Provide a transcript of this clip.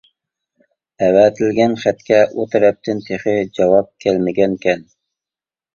ئەۋەتىلگەن خەتكە ئۇ تەرەپتىن تېخى جاۋاب كەلمىگەنىكەن.